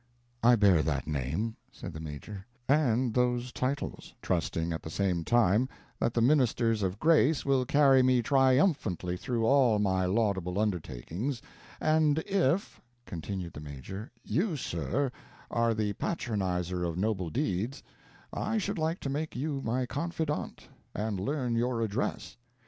"I bear that name," said the Major, "and those titles, trusting at the same time that the ministers of grace will carry me triumphantly through all my laudable undertakings, and if," continued the Major, "you, sir, are the patronizer of noble deeds, I should like to make you my confidant and learn your address."